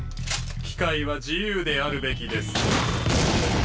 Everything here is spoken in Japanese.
機械は自由であるべきです。